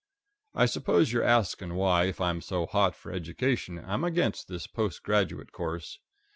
I suppose you're asking why, if I'm so hot for education, I'm against this post graduate course.